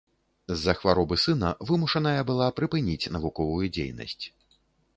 З-за хваробы сына вымушаная была прыпыніць навуковую дзейнасць.